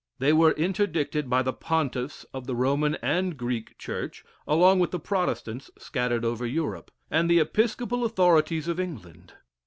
They were interdicted by the Pontiffs of the Roman and Greek Church, along with the Protestants scattered over Europe, and the Episcopal authorities of England.